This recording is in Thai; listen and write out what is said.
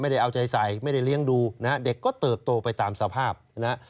ได้เอาใจใส่ไม่ได้เลี้ยงดูนะฮะเด็กก็เติบโตไปตามสภาพนะฮะ